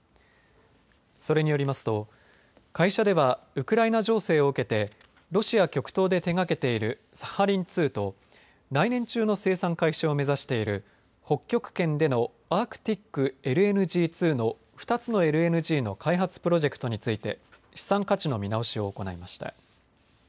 それによりますと会社ではウクライナ情勢を受けてロシア極東で手がけているサハリン２と来年中の生産開始を目指している北極圏でのアークティックＬＮＧ２の２つのＬＮＧの開発プロジェクトについて資産価値の見直しを行いました。